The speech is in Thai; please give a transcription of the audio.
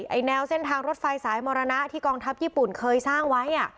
แนวเส้นทางรถไฟสายมรณะที่กองทัพญี่ปุ่นเคยสร้างไว้